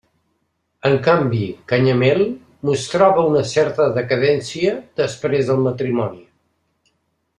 En canvi, Canyamel mostrava una certa decadència després del matrimoni.